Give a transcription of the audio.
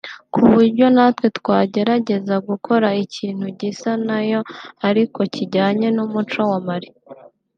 ku buryo natwe twagerageza gukora ikintu gisa nayo ariko kijyanye n’umuco wa Mali